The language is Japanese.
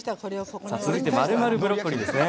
続いて「●●ブロッコリー」ですね。